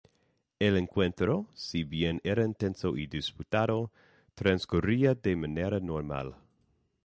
El encuentro, si bien era intenso y disputado, transcurría de manera normal.